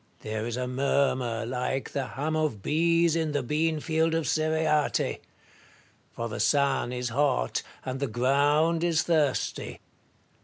Marius. There is a murmur like the hum of bees in the bean field of Cereate ; for the sun is hot, and the ground is thirsty.